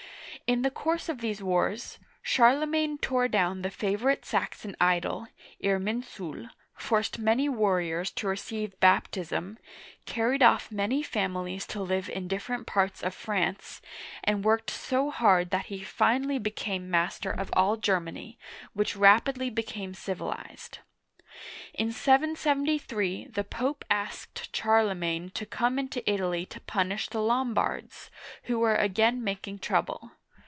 In the course of these wars, Charlemagne tore down the favorite Saxon idol (Irminsul), forced many warriors Digitized by VjOOQIC 70 OLD FRANCE to receive baptism, carried off many families to live in different parts of France, and worked so hard that he finally became master of all Germany, which rapidly be came civilized. In 773 the Pope asked Charlemagne to come into Italy to punish the Lombards, who were again making trouble.